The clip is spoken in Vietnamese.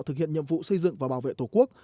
thực hiện nhiệm vụ xây dựng và bảo vệ tổ quốc